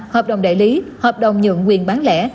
hợp đồng đại lý hợp đồng nhượng quyền bán lẻ